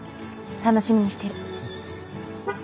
楽しみにしてる。